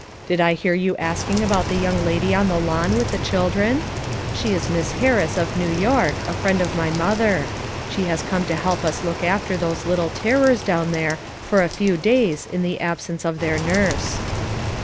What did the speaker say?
"Did I hear you asking about the young lady on the lawn with the children? She is Miss Harris of New York a friend of my mother; she has come to help us look after those little terrors down there for a few days in the absence of their nurse."